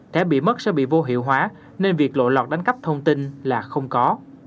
thẻ bị mất sẽ bị vô hiệu hóa nên việc lộ lọt đánh cấp thông tin là không có